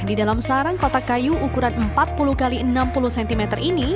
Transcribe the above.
di dalam sarang kotak kayu ukuran empat puluh x enam puluh cm ini